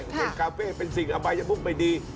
เห็นคาเฟ่เป็นสิ่งอะไรจะพูดไปดี